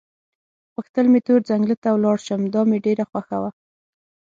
غوښتل مې تور ځنګله ته ولاړ شم، دا مې ډېره خوښه وه.